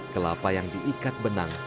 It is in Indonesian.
kelapa yang diikat benang